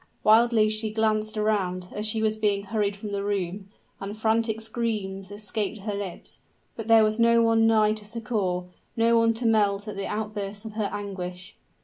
Wildly she glanced around, as she was being hurried from the room; and frantic screams escaped her lips. But there was no one nigh to succor no one to melt at the outbursts of her anguish!